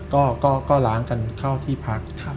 ก็ล้างกันเข้าที่พัก